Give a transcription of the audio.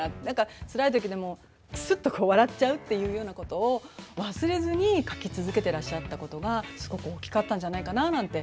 つらい時でもクスッと笑っちゃうっていうようなことを忘れずに描き続けてらっしゃったことがすごく大きかったんじゃないかななんて